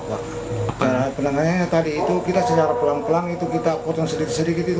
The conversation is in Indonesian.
nah penanganannya tadi itu kita secara pelan pelan itu kita potong sedikit sedikit itu